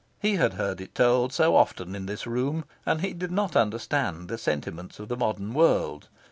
He had heard it told so often in this room, and he did not understand the sentiments of the modern world.